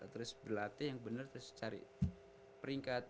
terus berlatih yang benar terus cari peringkat